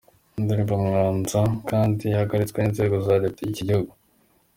indirimbo Mwanza kandi yarahagaritswe n'inzego za leta y'iki gihugu.